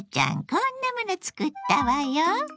こんなもの作ったわよ。